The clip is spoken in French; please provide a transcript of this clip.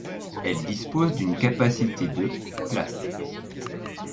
Elle dispose d'une capacité de places.